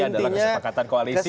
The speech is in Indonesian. ini adalah kesepakatan koalisi